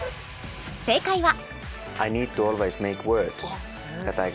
正解は